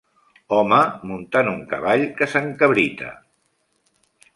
Home muntant un cavall que s'encabrita